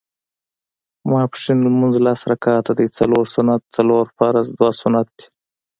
ماسپښېن لمونځ لس رکعته دی څلور سنت څلور فرض دوه سنت دي